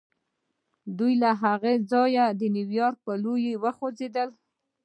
دی له هغه ځایه د نیویارک پر لور وخوځېد